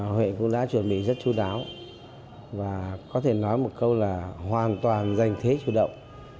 hội cũng đã chuẩn bị rất chú đáo và có thể nói một câu là hoàn toàn dành thế chủ động